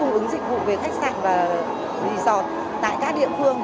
với những dịch vụ về khách sạn và resort tại các địa phương